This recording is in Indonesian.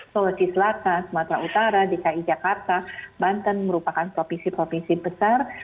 sulawesi selatan sumatera utara dki jakarta banten merupakan provinsi provinsi besar